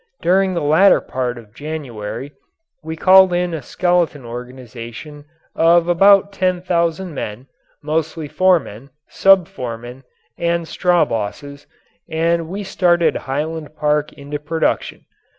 During the latter part of January we called in a skeleton organization of about ten thousand men, mostly foremen, sub foremen, and straw bosses, and we started Highland Park into production.